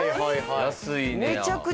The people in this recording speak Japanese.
安いねや。